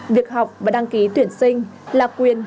việc học và đăng ký tuyển sinh là quyền